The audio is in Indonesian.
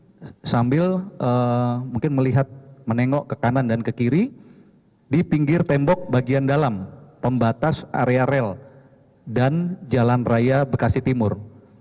saya sambil mungkin melihat menengok ke kanan dan ke kiri di pinggir tembok bagian dalam pembatas area rel dan jalan raya bekasi timur